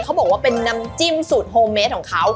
เขาบอกว่าเป็นน้ำจิ้มสูตรโฮเมสของเขา